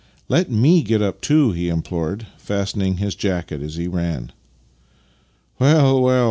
" Let f)ie get up too," he implored, fastening his jacket as he ran. " Well, well!